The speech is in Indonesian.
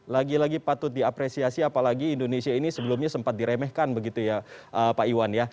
lagi lagi patut diapresiasi apalagi indonesia ini sebelumnya sempat diremehkan begitu ya pak iwan ya